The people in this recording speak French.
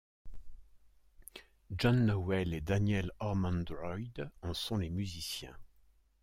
John Nowell et Daniel Ormondroyd en sont les musiciens.